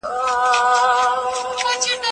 زه اوږده وخت مکتب ته تياری کوم وم.